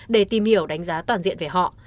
để tìm hiểu đánh giá toàn diện về họ